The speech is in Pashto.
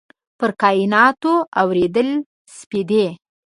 پر کایناتو اوريدلي سپیدې